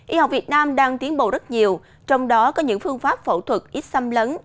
y học việt nam đang tiến bộ rất nhiều trong đó có những phương pháp phẫu thuật ít xâm lấn